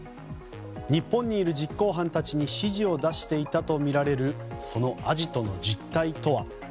日本にいる実行犯たちに指示を出していたとみられるそのアジトの実態とは？